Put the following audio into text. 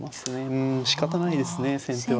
うんしかたないですね先手は。